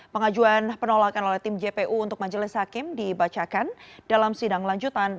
pengajuan penolakan oleh tim jpu untuk majelis hakim dibacakan dalam sidang lanjutan